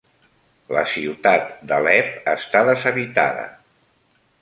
La ciutat d'Alep està deshabitada